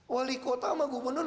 wali kota sama gubernur